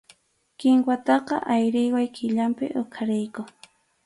Kinwataqa ayriway killapim huqariyku.